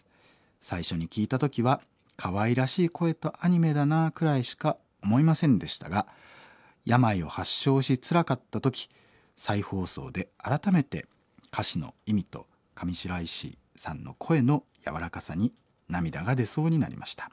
最初に聴いた時はかわいらしい声とアニメだなくらいしか思いませんでしたが病を発症しつらかった時再放送で改めて歌詞の意味と上白石さんの声の柔らかさに涙が出そうになりました。